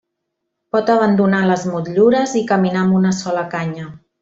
Pot abandonar les motllures i caminar amb una sola canya.